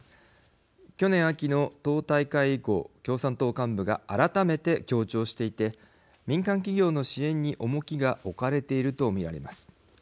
去年秋の党大会以降共産党幹部が改めて強調していて民間企業の支援に重きが置かれていると見られます。